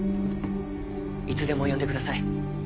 いつでも呼んでください。